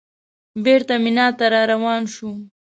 بېرته مینا ته راروان شوو.